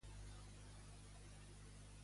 Quina puntuació obté Matas en aquest esport?